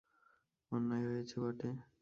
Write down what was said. অন্যায় হয়েছে বটে।